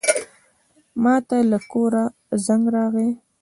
ماته له کوره زنګ راغی.